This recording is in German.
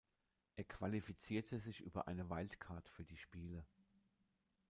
Er qualifizierte sich über eine Wild Card für die Spiele.